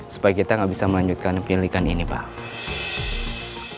supaya kita nggak bisa melanjutkan penyelidikan ini pak